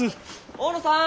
大野さん！